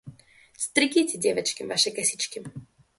Стригите, девочки, ваши косички.